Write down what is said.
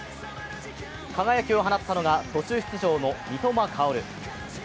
輝きを放ったのが途中出場の三笘薫。